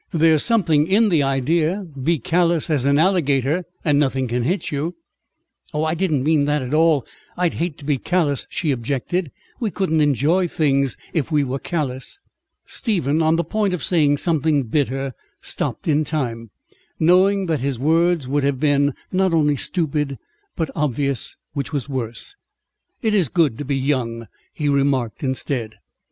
There's something in the idea: be callous as an alligator and nothing can hit you." "I don't mean that at all. I'd hate to be callous," she objected. "We couldn't enjoy things if we were callous." Stephen, on the point of saying something bitter, stopped in time, knowing that his words would have been not only stupid but obvious, which was worse. "It is good to be young," he remarked instead.